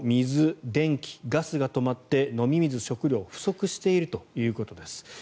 水、電気、ガスが止まって飲み水、食料が不足しているということです。